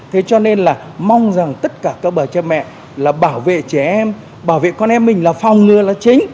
thế cho nên là mong rằng tất cả các bà cha mẹ là bảo vệ trẻ em bảo vệ con em mình là phòng ngừa là chính